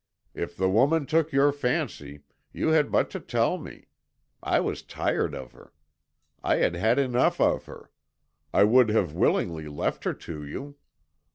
If the woman took your fancy, you had but to tell me. I was tired of her. I had had enough of her. I would have willingly left her to you."